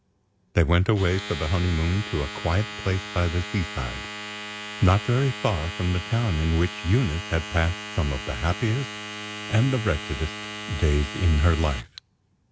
They went away for their honeymoon to a quiet place by the seaside, not very far from the town in which Eunice had passed some of the happiest and the wretchedest days in her life.